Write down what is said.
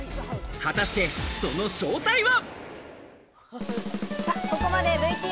果たしてその正体は？